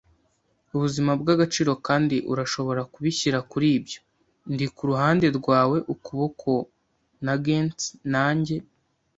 ubuzima bw'agaciro, kandi urashobora kubishyira kuri ibyo. Ndi kuruhande rwawe, ukuboko na gants; nanjye